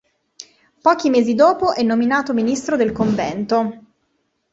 Pochi mesi dopo è nominato ministro del convento.